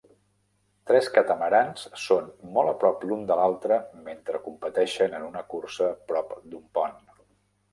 Tres catamarans són molt a prop l'un de l'altre mentre competeixen en una cursa prop d'un pont.